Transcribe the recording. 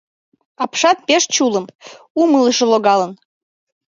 Апшат пеш чулым, умылышо логалын.